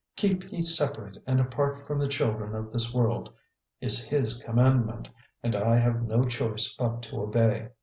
'Keep ye separate and apart from the children of this world,' is His commandment, and I have no choice but to obey.